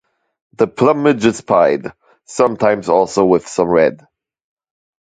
The plumage is pied, sometimes also with some red.